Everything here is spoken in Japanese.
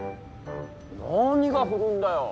何が古いんだよ。